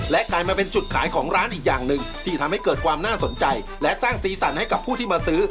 กลายมาเป็นจุดขายของร้านอีกอย่างหนึ่งที่ทำให้เกิดความน่าสนใจและสร้างสีสันให้กับผู้ที่มาซื้อ